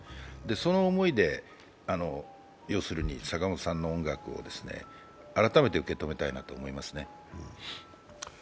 その思いで坂本さんの音楽を改めて受け止めたいなと思いますね。